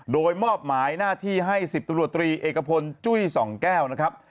โดยมอบหมายหน้าที่ให้๑๐ตำรวจตรีเอกพลจุ้ยส่องแก้วนะครับ